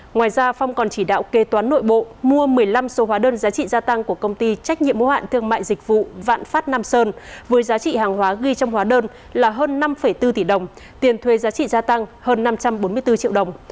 ngoài ra phong còn chỉ đạo kê toán nội bộ mua một mươi năm số hóa đơn giá trị gia tăng của công ty trách nhiệm mô hạn thương mại dịch vụ vạn phát nam sơn với giá trị hàng hóa ghi trong hóa đơn là hơn năm bốn tỷ đồng tiền thuê giá trị gia tăng hơn năm trăm bốn mươi bốn triệu đồng